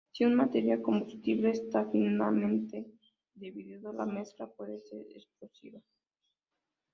Si un material combustible está finamente dividido, la mezcla puede ser explosiva.